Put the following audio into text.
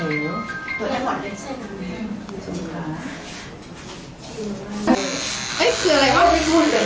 โอ้โหโอ้โหโอ้โหโอ้โหโอ้โหโอ้โห